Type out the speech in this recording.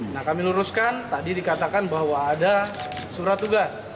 nah kami luruskan tadi dikatakan bahwa ada surat tugas